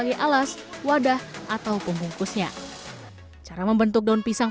juga terkait dengan daun pisang sebagai alas wadah ataupun would ya cara membentuk daun pisang